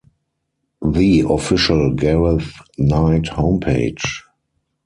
The Official Gareth Knight Homepage.